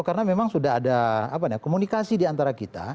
karena memang sudah ada komunikasi diantara kita